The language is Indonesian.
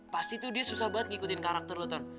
pasti tuh dia susah banget ngikutin karakter lu ton